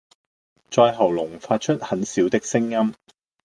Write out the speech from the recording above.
在喉嚨發出很小的聲音